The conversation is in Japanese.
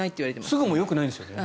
すぐもよくないんですよね？